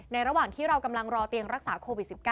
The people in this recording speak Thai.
ระหว่างที่เรากำลังรอเตียงรักษาโควิด๑๙